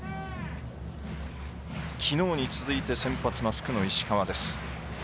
きのうに続いて先発マスクの石川です。